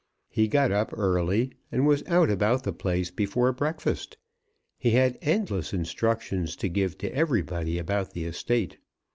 He got up early, and was out about the place before breakfast. He had endless instructions to give to everybody about the estate.